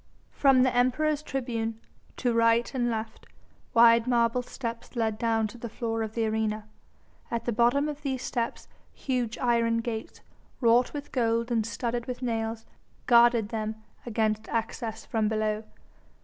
From the Emperor's tribune, to right and left, wide marble steps led down to the floor of the arena. At the bottom of these steps huge iron gates, wrought with gold and studded with nails, guarded them against access from below.